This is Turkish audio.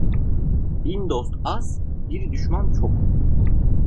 Bin dost az, bir düşman çok.